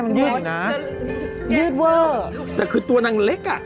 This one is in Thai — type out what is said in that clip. นะนั่นใส่ได้ไหมใช่ได้อ่ะยืดเวอร์แต่คือตัวนางเล็กอ่ะ